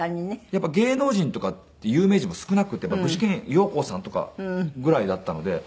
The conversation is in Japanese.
やっぱり芸能人とかって有名人も少なくって具志堅用高さんとかぐらいだったので。